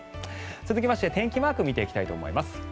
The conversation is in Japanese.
続きまして天気マークを見ていきたいと思います。